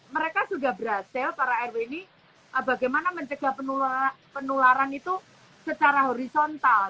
mereka sudah berhasil para rw ini bagaimana mencegah penularan itu secara horizontal